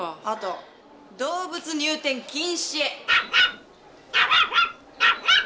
あと動物入店禁止！